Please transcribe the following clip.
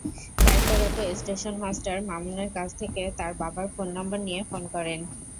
দায়িত্বরত স্টেশনমাস্টার মামুনের কাছ থেকে তাঁর বাবার ফোন নম্বর নিয়ে ফোন করেন।